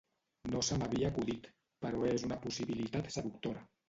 No se m'havia acudit, però és una possibilitat seductora.